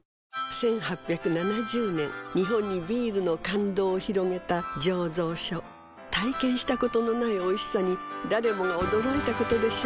１８７０年日本にビールの感動を広げた醸造所体験したことのないおいしさに誰もが驚いたことでしょう